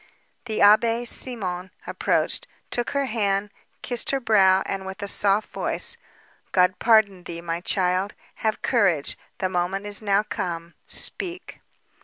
The Abbé Simon approached, took her hand, kissed her brow, and with a soft voice: "God pardon thee, my child; have courage, the moment is now come, speak."